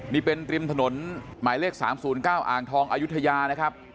นี่เป็นตริมถนนหมายเลขสามศูนย์เก้าอ่างทองอายุทยานะครับ